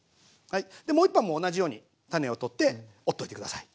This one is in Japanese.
でもう一本も同じように種を取って折っておいて下さい。